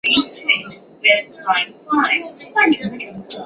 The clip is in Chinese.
他也曾在喇沙会创办的和吉隆坡圣约翰国中大学先修班完成中学教育。